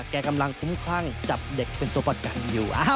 แกกำลังทุ่มคร่างจับเด็กเป็นตัวปล่ะกันอยู่